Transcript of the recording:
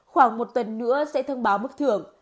khoảng một tuần nữa sẽ thông báo mức thưởng